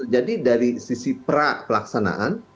dari sisi pra pelaksanaan